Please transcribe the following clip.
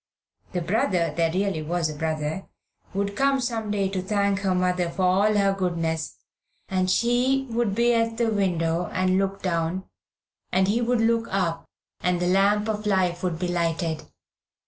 The brother there really was a brother would come some day to thank her mother for all her goodness, and she would be at the window and look down, and he would look up, and the lamp of life would be lighted.